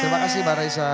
terima kasih para isha